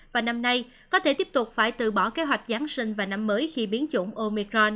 và năm nay có thể tiếp tục phải từ bỏ kế hoạch giáng sinh và năm mới khi biến chủng omecron